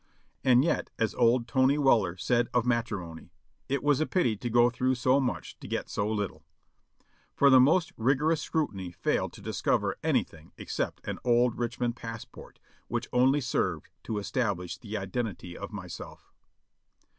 And yet, as old Tony Weller said of matrimony, "it was a pity to go through so much to get so little ;" for the most rigorous scrutiny failed to discover anything except an old Richmond passport, which only served to establish the identity of myself.